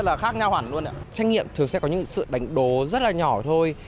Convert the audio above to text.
trách nghiệm thường sẽ có những sự đánh đố rất là nhỏ thôi